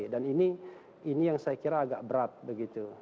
dan ini yang saya kira agak berat begitu